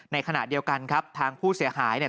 ในขณะเดียวกันครับทางผู้เสียหายเนี่ย